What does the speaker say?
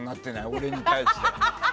俺に対して。